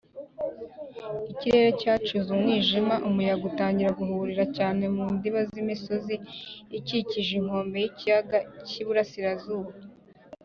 ikirere cyacuze umwijima, umuyaga utangira guhuhira cyane mu ndiba z’imisozi ikikije inkombe y’ikiyaga y’iburasirazuba